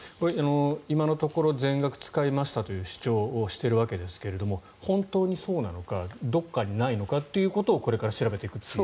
今のところ全額使いましたという主張をしているわけですが本当にそうなのかどこかにないのかということをこれから調べていくという。